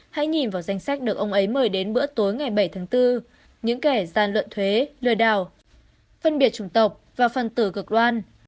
hãy nhìn vào danh sách được ông ấy mời đến bữa tối ngày bảy tháng bốn những kẻ gian luận thuế lừa đảo phân biệt chủng tộc và phân tử cực đoan